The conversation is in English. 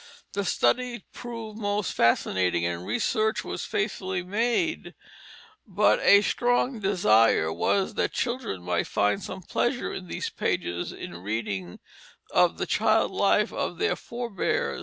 The study proved most fascinating, and research was faithfully made; but a stronger desire was that children might find some pleasure in these pages in reading of the child life of their forbears.